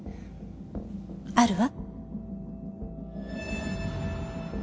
あるわ。